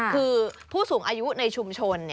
คือผู้สูงอายุในชุมชน